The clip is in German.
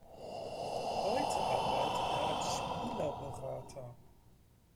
Heute arbeitet er als Spielerberater.